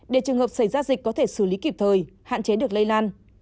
để trường hợp xảy ra dịch có thể xử lý kịp thời hạn chế được lây lan